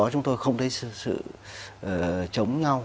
chúng tôi không thấy sự chống nhau